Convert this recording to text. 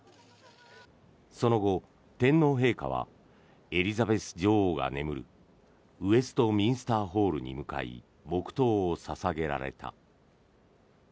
その後、天皇陛下はエリザベス女王が眠るウェストミンスターホールに向かい、黙祷を捧げられた。